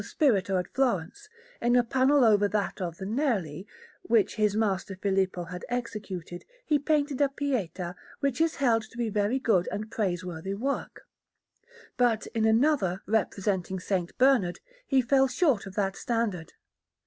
Spirito at Florence, in a panel over that of the Nerli, which his master Filippo had executed, he painted a Pietà, which is held to be a very good and praiseworthy work; but in another, representing S. Bernard, he fell short of that standard.